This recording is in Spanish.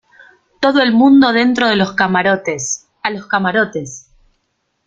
¡ todo el mundo dentro de los camarotes! ¡ a los camarotes !